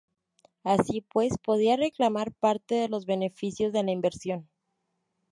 Así pues, podía reclamar parte de los beneficios de la invención.